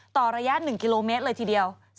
ต่อระยะ๑กิโลเมตรเลยทีเดียว